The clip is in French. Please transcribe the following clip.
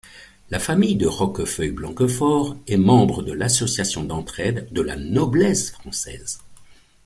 La famille de Roquefeuil-Blanquefort est membre de l'Association d'entraide de la noblesse française.